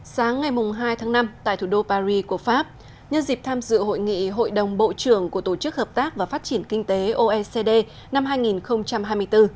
sáng ngày hai tháng năm tại thủ đô paris của pháp như dịp tham dự hội nghị hội đồng bộ trưởng của tổ chức hợp tác và phát triển kinh tế oecd năm hai nghìn hai mươi bốn